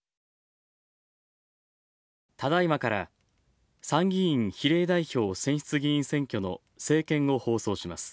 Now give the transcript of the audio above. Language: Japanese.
ただいまから参議院比例代表選出議員選挙の政見を放送します。